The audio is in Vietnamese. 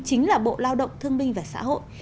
chính là bộ lao động thương minh và xã hội